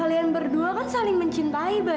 kalian berdua kan saling mencintai